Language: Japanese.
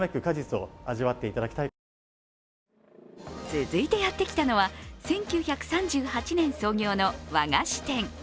続いてやって来たのは１９３８年創業の和菓子店。